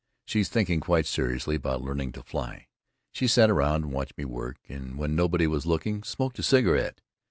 She's thinking quite seriously about learning to fly. She sat around and watched me work, and when nobody was looking smoked a cigarette.